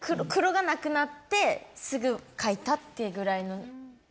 黒がなくなってすぐ書いたってぐらいの。